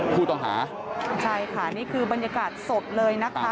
ผู้ต้องหาใช่ค่ะนี่คือบรรยากาศสดเลยนะคะ